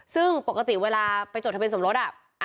ซึ่งปกติเวลาไปจดทะเบียสมรส